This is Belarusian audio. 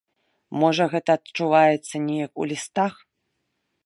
Можа, гэта адчуваецца неяк у лістах?